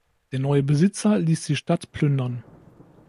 Der neue Besitzer ließ die Stadt plündern.